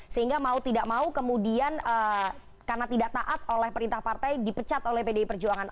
sehingga mau tidak mau kemudian karena tidak taat oleh perintah partai dipecat oleh pdi perjuangan